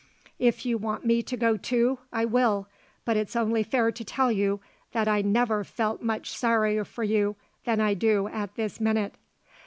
If you want me to go, too, I will, but it's only fair to tell you that I never felt much sorrier for you than I do at this minute."